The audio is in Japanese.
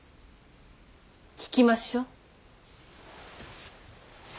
聞きましょう。